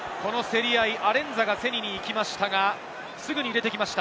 アレンザが競りに行きましたが、すぐに入れて来ました